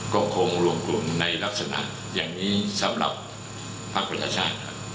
ก็คงรวมกลุ่มในลักษณะอย่างนี้สำหรับภักดิ์ประชาชาติ